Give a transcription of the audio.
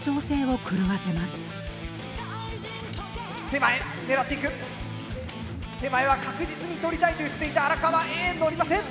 手前は確実に取りたいと言っていた荒川Ａのりません！